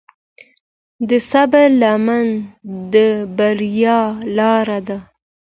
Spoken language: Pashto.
د صبر لمن د بریا لاره ده.